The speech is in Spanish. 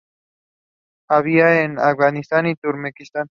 Habita en Afganistán y Turkmenistán.